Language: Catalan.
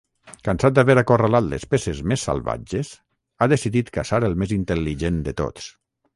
Cansat d'haver acorralat les peces més salvatges, ha decidit caçar el més intel·ligent de tots.